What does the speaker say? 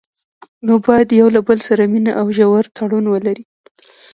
نو باید له یو بل سره مینه او ژور تړون ولري.